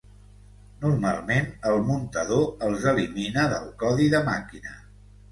Normalment el muntador els elimina del codi de màquina.